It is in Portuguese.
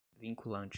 vinculante